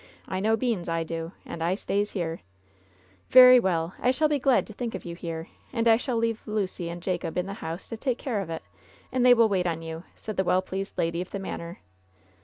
I know beans, I do ; and I stays here :" "Very well. I shall be glad to ihink of you here ; and I shall leave Lucy and Jacob in the house to take care of it, and they will wait on you," said the well pleased lady of the manor.